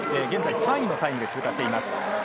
現在３位のタイムで通過しています。